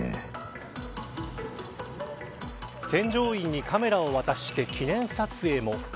添乗員にカメラを渡して記念撮影も。